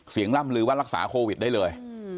ล่ำลือว่ารักษาโควิดได้เลย